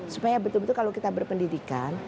supaya betul betul kalau kita berpendidikan